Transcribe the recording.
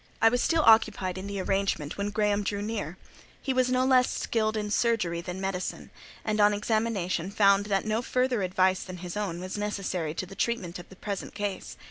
I was still occupied in the arrangement, when Graham drew near; he was no less skilled in surgery than medicine, and, on examination, found that no further advice than his own was necessary to the treatment of the present case.